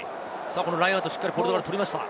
ラインアウト、しっかりポルトガルが取りました。